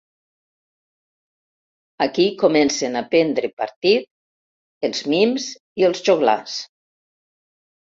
Aquí comencen a prendre partit els mims i els joglars.